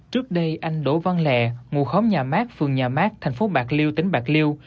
trước đây anh đỗ văn lẹ ngụ khóm nhà mát phường nhà mát thành phố bạc liêu tỉnh bạc liêu